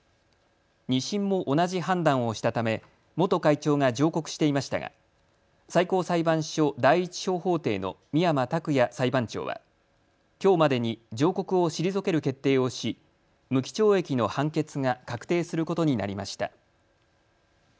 ２審も同じ判断をしたため元会長が上告していましたが最高裁判所第１小法廷の深山卓也裁判長はきょうまでに上告を退ける決定をし無期懲役の判決が確定することになりました。